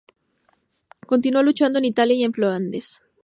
Continuó luchando en Italia y en Flandes.